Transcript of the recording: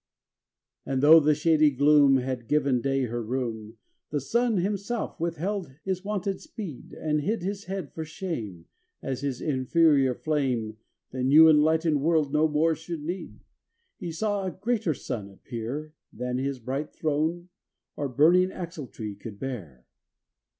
vn And, though the shady gloom Had given day her room. The Sun himself withheld his wonted speed, And hid his head for shame, As his inferior flame The new enlightened world no more should need: He saw a greater Sun appear Than his bright Throne or burning axletree could bear.